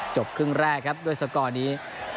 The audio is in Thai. จบครึ่งแรกครับด้วยสกอร์นี้